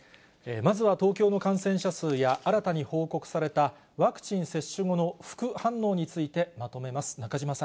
まずは東京の感染者数や、新たに報告されたワクチン接種後の副反応についてまとめます。